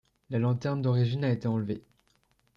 La lanterne d'origine a été enlevée.